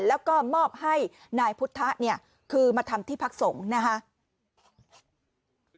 แล้วก็มอบให้นายพุทธะเนี่ยคือมาทำที่พักสงฆ์นะคะ